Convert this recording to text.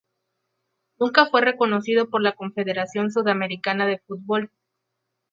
Nunca fue reconocido por la Confederación Sudamericana de Fútbol.